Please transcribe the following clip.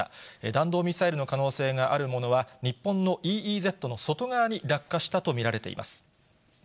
弾道ミサイルの可能性があるものは、日本のＥＥＺの外側に落下したと見られています。